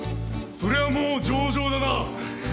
それはもう上々だな。